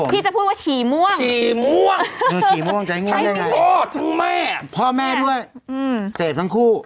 พี่จะพูดว่าฉี่ม่วงใครทั้งพ่อทั้งแม่พ่อแม่ด้วยเศษทั้งคู่